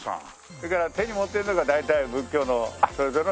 それから手に持ってるのが大体仏教のそれぞれの。